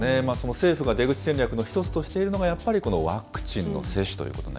政府が出口戦略の一つとしているのが、やっぱりこのワクチンの接